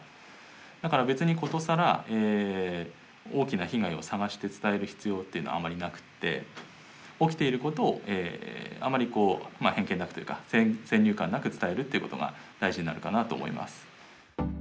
だから、ことさら大きな被害を探して伝える必要っていうのはあまりなくて、起きていることをあまり偏見なくというか先入観なく伝えることが大事になるかなと思います。